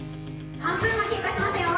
半分が経過しましたよ！